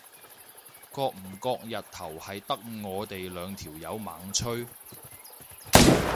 覺唔覺日頭係得我哋兩條友猛吹？